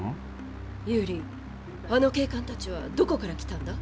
ユーリあの警官たちはどこから来たんだ？